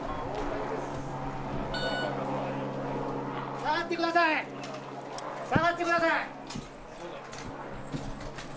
下がってください、下がってください！